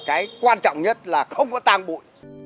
cái quan trọng nhất là không có tàng bụi